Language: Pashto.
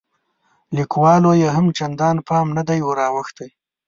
لیکوالو یې هم چندان پام نه دی وراوښتی.